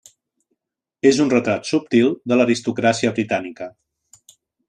És un retrat subtil de l'aristocràcia britànica.